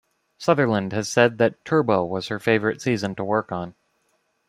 Sutherland has said that "Turbo" was her favourite season to work on.